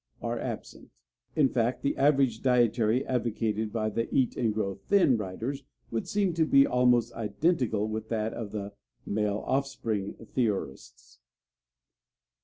are absent. In fact, the average dietary advocated by the "Eat and Grow Thin" writers would seem to be almost identical with that of the "male offspring" theorists.